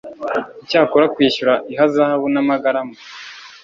Icyakora kwishyura ihazabu n amagarama